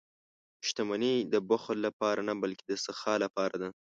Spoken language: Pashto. • شتمني د بخل لپاره نه، بلکې د سخا لپاره ده.